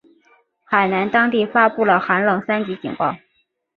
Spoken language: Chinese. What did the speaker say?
海南当地发布了寒冷三级警报。